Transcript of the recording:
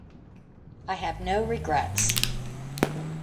I have no regrets.